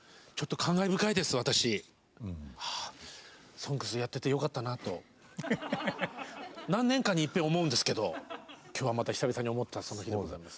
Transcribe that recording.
「ＳＯＮＧＳ」やっててよかったなと何年かにいっぺん思うんですけど今日は久々に思ったその日でございます。